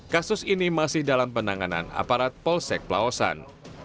kasus ini masih dalam penanganan aparat polsek pelawasan